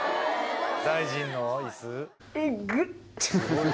大臣の椅子？